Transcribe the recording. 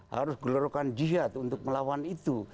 harus gelorokan jihad untuk melawan itu